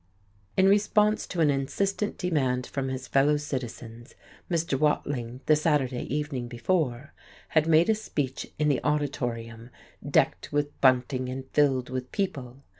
In response to an insistent demand from his fellow citizens Mr. Watling, the Saturday evening before, had made a speech in the Auditorium, decked with bunting and filled with people.